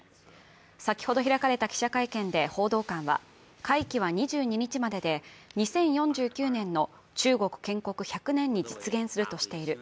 先ほど開かれた記者会見で報道官は会期は２２日までで、２０４９年の中国建国１００年に実現するとしている